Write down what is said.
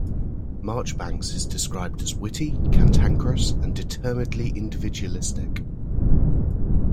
Marchbanks is described as witty, cantankerous, and determinedly individualistic.